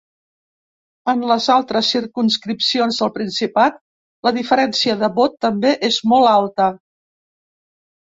En les altres circumscripcions del Principat la diferència de vot també és molt alta.